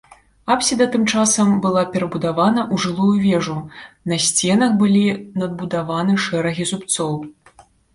Апсіда тым часам была перабудавана ў жылую вежу, на сценах былі надбудаваны шэрагі зубцоў.